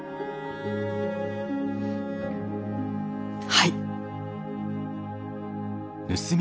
はい！